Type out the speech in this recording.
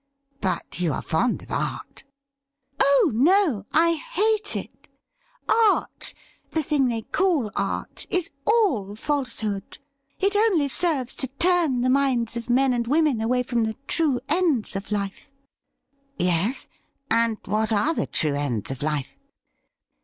' But you are fond of art ?'' Oh no ; I hate it ! Art — ^the thing they call art is all falsehood; it only serves to turn the minds of men and women away from the true ends of life.' ' Yes ?— and what are the true ends of life